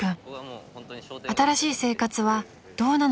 ［新しい生活はどうなのでしょう？］